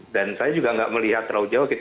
dan saya juga nggak melihat terlalu jauh